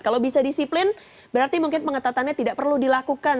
kalau bisa disiplin berarti mungkin pengetatannya tidak perlu dilakukan